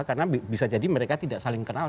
karena bisa jadi mereka tidak saling kenal